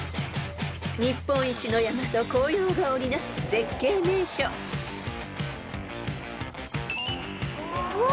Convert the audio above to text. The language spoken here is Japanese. ［日本一の山と紅葉が織りなす絶景名所］うわ！